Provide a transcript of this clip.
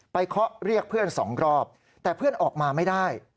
เคาะเรียกเพื่อนสองรอบแต่เพื่อนออกมาไม่ได้